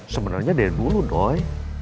sebenarnya dari dulu doi